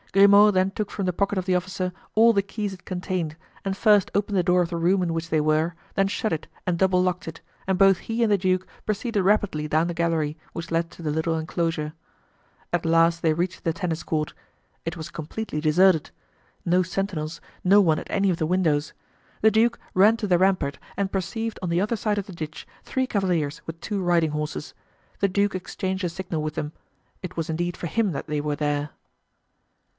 Grimaud then took from the pocket of the officer all the keys it contained and first opened the door of the room in which they were, then shut it and double locked it, and both he and the duke proceeded rapidly down the gallery which led to the little inclosure. At last they reached the tennis court. It was completely deserted. No sentinels, no one at any of the windows. The duke ran to the rampart and perceived on the other side of the ditch, three cavaliers with two riding horses. The duke exchanged a signal with them. It was indeed for him that they were there.